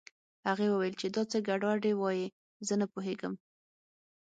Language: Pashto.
هغې وويل چې دا څه ګډې وډې وايې زه نه پوهېږم